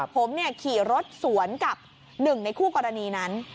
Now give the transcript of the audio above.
ผมขี่รถสวนกับหนึ่งในคู่กรณีนั้น